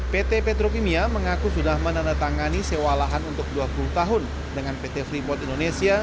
pt petrokimia mengaku sudah menandatangani sewa lahan untuk dua puluh tahun dengan pt freeport indonesia